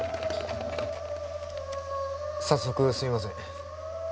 早速すいません